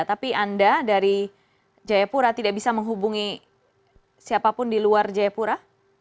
tapi anda dari jayapura tidak bisa menghubungi siapapun di luar jayapura